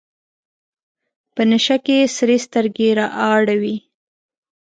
په نشه کې سرې سترګې رااړوي.